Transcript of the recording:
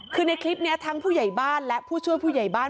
คือในคลิปนี้ทั้งผู้ใหญ่บ้านและผู้ช่วยผู้ใหญ่บ้าน